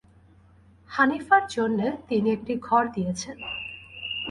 হানিফার জন্যে তিনি একটি ঘর দিয়েছেন।